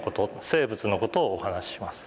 生物の事をお話しします。